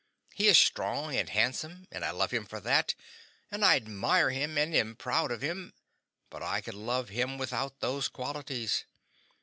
He is strong and handsome, and I love him for that, and I admire him and am proud of him, but I could love him without those qualities.